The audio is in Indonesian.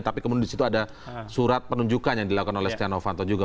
tapi kemudian di situ ada surat penunjukan yang dilakukan oleh stiano fanto juga